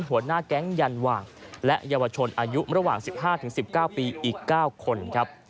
หัวหน้าแก๊งยันหว่างและเยาวชนอายุระหว่าง๑๕๑๙ปีอีก๙คนครับ